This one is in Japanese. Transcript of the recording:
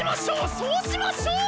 そうしましょう！